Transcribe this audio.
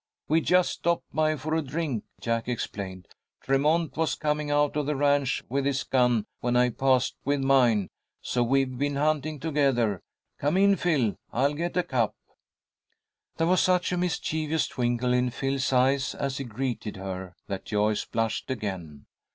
"We just stopped by for a drink," Jack explained. "Tremont was coming out of the ranch with his gun when I passed with mine, so we've been hunting together. Come in, Phil, I'll get a cup." There was such a mischievous twinkle in Phil's eyes as he greeted her, that Joyce blushed again.